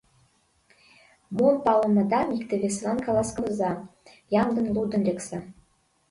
Мом палымыдам икте-весылан каласкалыза, ямдым лудын лекса.